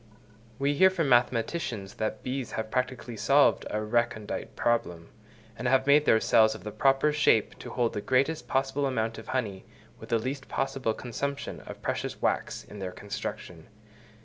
We hear from mathematicians that bees have practically solved a recondite problem, and have made their cells of the proper shape to hold the greatest possible amount of honey, with the least possible consumption of precious wax in their construction.